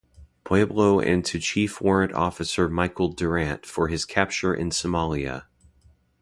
Pueblo and to Chief Warrant Officer Michael Durant for his capture in Somalia.